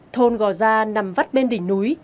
thôn gò gia nằm vắt bên đỉnh núi